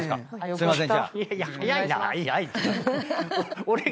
すいません。